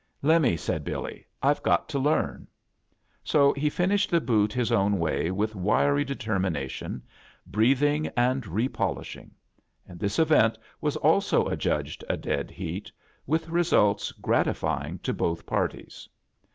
"Lemme," said Billy. "Tve got to learn." So he finished the boot his own way with vriry determination, breathing and repolishing; and this event was also adjudged a dead heat, with results gratify ing to both parties.